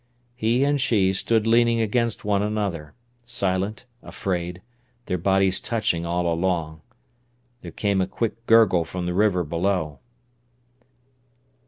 He and she stood leaning against one another, silent, afraid, their bodies touching all along. There came a quick gurgle from the river below.